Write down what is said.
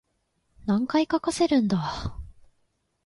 何回かかせるんだ